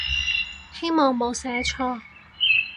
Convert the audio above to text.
希望冇寫錯